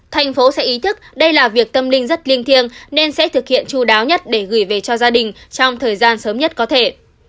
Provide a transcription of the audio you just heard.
thành phố sẽ ý thức đây là việc tâm linh rất linh thiêng nên sẽ thực hiện chú đáo nhất để gửi về cho gia đình trong thời gian sớm nhất có thể